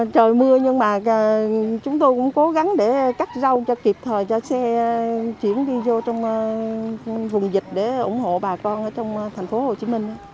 trời mưa nhưng mà chúng tôi cũng cố gắng để cắt rau cho kịp thời cho xe chuyển đi vô trong vùng dịch để ủng hộ bà con ở trong tp hcm